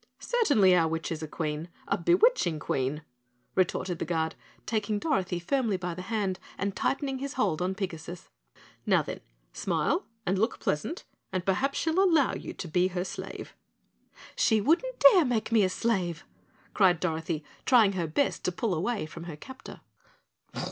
"Certainly our witch is a Queen, a bewitching Queen," retorted the Guard, taking Dorothy firmly by the hand and tightening his hold on Pigasus. "Now, then, smile and look pleasant and perhaps she'll allow you to be her slave." "She wouldn't dare make me a slave," cried Dorothy, trying her best to pull away from her captor.